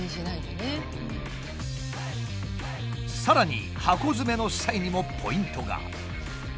さらに箱詰めの際にもポイントが。